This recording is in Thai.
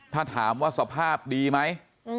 ถ้าถามว่าสภาพดีไหม